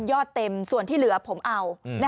เต็มส่วนที่เหลือผมเอา